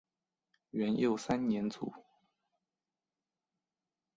元佑三年卒。